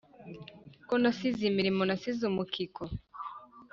ko nasize imirimo nasize umukiko